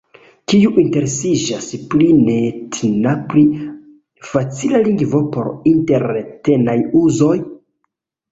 Kiu interesiĝas pri neetna pli facila lingvo por interetnaj uzoj?